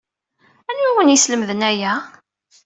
Anwa ay awen-yeslemden aya?